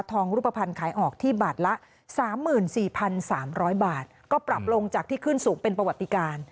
รูปภัณฑ์ขายออกที่บาทละ๓๔๓๐๐บาทก็ปรับลงจากที่ขึ้นสูงเป็นประวัติการ